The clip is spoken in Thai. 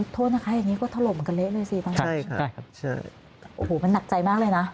โทษนะคะอย่างนี้ก็ทะลมเหมือนกันเละเลยสิใช่ค่ะมันหนักใจมากเลยนะ